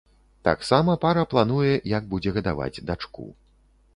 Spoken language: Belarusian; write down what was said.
Таксама пара плануе, як будзе гадаваць дачку.